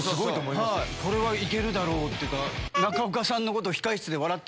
これは行けるだろうっていうか。